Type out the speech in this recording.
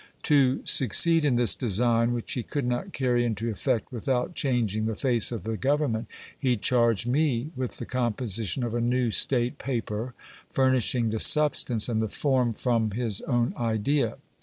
To succeed in this design, which he could not carry into effect without changing the face of the government, he charged me with the composition of a new state paper, furnishing the substance and the form from Itt own idea.